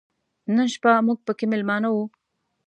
نن شپه موږ پکې مېلمانه و.